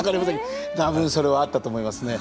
多分それはあったと思いますね。